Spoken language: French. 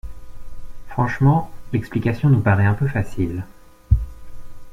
Franchement, l’explication nous paraît un peu facile.